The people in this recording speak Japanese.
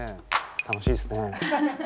楽しいですね。